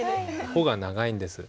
穂が長いんです。